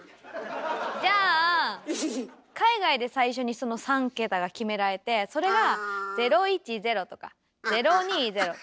海外で最初にその３桁が決められてそれが「０１０」とか「０２０」